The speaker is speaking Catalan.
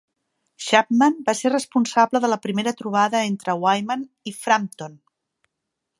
Chapman va ser responsable de la primera trobada entre Wyman i Frampton.